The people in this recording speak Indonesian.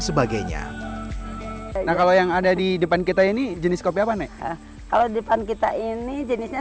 sebagainya nah kalau yang ada di depan kita ini jenis kopi apa nih kalau depan kita ini jenisnya